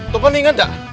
tepan ingat gak